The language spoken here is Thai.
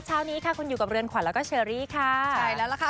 เช้านี้ค่ะคุณอยู่กับเรือนขวัญแล้วก็เชอรี่ค่ะใช่แล้วล่ะค่ะ